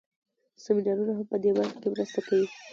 سمینارونه هم په دې برخه کې مرسته کوي.